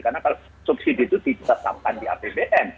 karena kalau subsidi itu dicesamkan di apbn